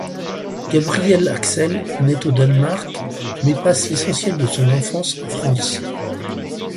Gabriel Axel naît au Danemark, mais passe l'essentiel de son enfance en France.